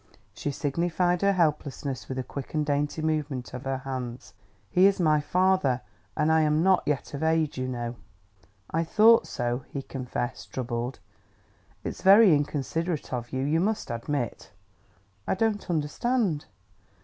She signified her helplessness with a quick and dainty movement of her hands. "He is my father; and I'm not yet of age, you know." "I thought so," he confessed, troubled. "It's very inconsiderate of you, you must admit." "I don't understand..."